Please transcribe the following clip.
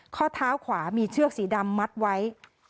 ข้อเท้าขวามีเชือกสีดำมัดไว้